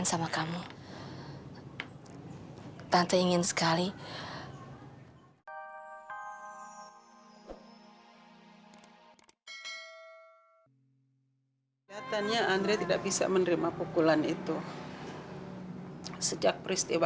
silahkan masuk tante